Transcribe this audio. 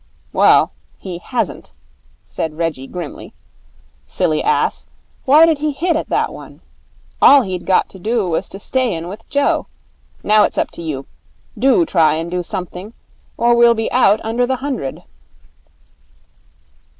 'Well, he hasn't,' said Reggie grimly. 'Silly ass, why did he hit at that one? All he'd got to do was to stay in with Joe. Now it's up to you. Do try and do something, or we'll be out under the hundred.'